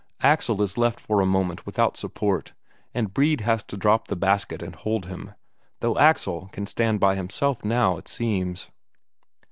Axel is left for a moment without support, and Brede has to drop the basket and hold him, though Axel can stand by himself now, it seems.